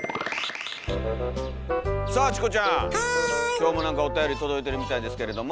今日もなんかおたより届いてるみたいですけれども。